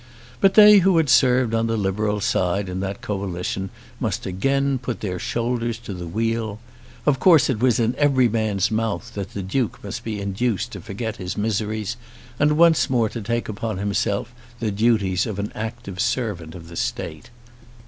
But they who had served on the Liberal side in that coalition must again put their shoulders to the wheel. Of course it was in every man's mouth that the Duke must be induced to forget his miseries and once more to take upon himself the duties of an active servant of the State.